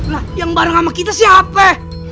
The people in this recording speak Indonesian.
lah yang bareng sama kita siapa